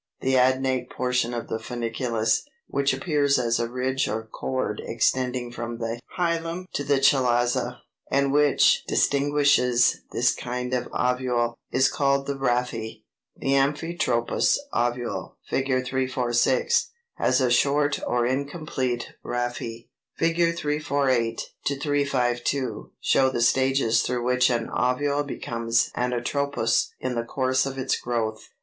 The adnate portion of the funiculus, which appears as a ridge or cord extending from the hilum to the chalaza, and which distinguishes this kind of ovule, is called the RHAPHE. The amphitropous ovule (Fig. 346) has a short or incomplete rhaphe. 322. Fig. 348 352 show the stages through which an ovule becomes anatropous in the course of its growth.